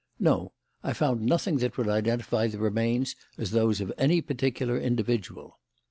"No. I found nothing that would identify the remains as those of any particular individual."